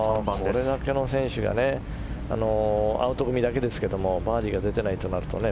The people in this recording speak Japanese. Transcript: これだけの選手がアウト組だけですけどバーディーが出てないとなるとね。